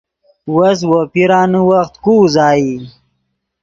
وس وو پیرانے وخت کو اوازئی